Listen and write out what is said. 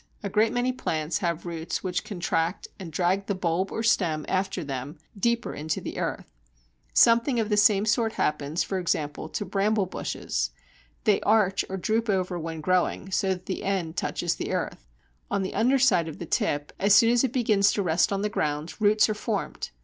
A great many plants have roots which contract and drag the bulb or stem after them deeper into the earth. Something of the same sort happens, for instance, to Bramble branches. They arch or droop over, when growing, so that the end touches the earth. On the underside of the tip, as soon as it begins to rest on the ground, roots are formed.